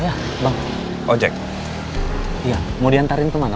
iya misalnya gue ngend segregasiuzu tawarnya